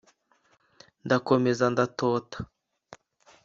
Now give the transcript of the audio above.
Ndakomeza ndatota